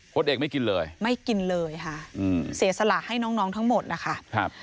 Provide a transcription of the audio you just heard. โค้ชเอกไม่กินเลยไม่กินเลยค่ะเสียสละให้น้องทั้งหมดนะคะ